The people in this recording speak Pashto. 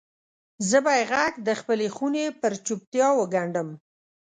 زه به یې ږغ دخپلې خونې پر چوپتیا وګنډم